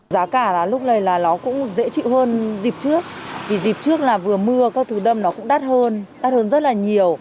giá cả lúc này nó cũng dễ chịu hơn dịp trước vì dịp trước vừa mưa các thứ đâm nó cũng đắt hơn đắt hơn rất là nhiều